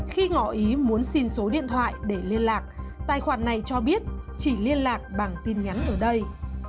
khi ngỏ ý muốn xin số điện thoại để liên lạc tài khoản này cho biết chỉ liên lạc bằng tin nhắn ở đây